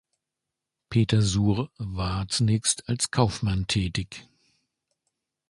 Peter Suhr war zunächst als Kaufmann tätig.